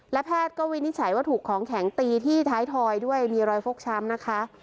และแพทย์ก็วินิจฉัยว่าถูกของแข็งตีที่ท้ายทอยด้วยมีรอยฟกช้ำนะคะ